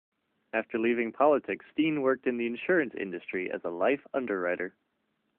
After leaving politics, Steen worked in the insurance industry as a life underwriter.